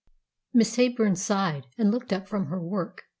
Miss Heyburn sighed, and looked up from her work.